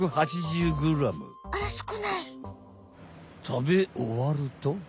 たべおわると。